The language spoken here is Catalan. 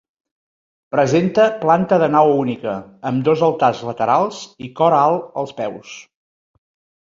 Presenta planta de nau única, amb dos altars laterals i cor alt als peus.